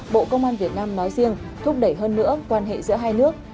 bộ công an việt nam nói riêng thúc đẩy hơn nữa quan hệ giữa hai nước